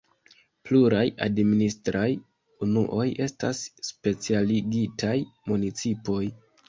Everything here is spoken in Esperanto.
Pluraj administraj unuoj estas specialigitaj municipoj.